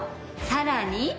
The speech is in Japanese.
さらに？